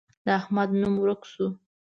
د احمد نوم ورک شو.